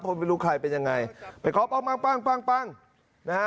เพราะไม่รู้ใครเป็นยังไงไปขอป้องปั้งปั้งปั้งปั้งนะฮะ